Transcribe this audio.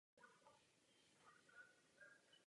Zbytek poloostrova náleží k provincii Québec.